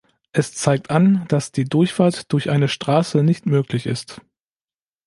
Es zeigt an, dass die Durchfahrt durch eine Straße nicht möglich ist.